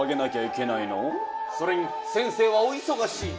それに先生はおいそがしい。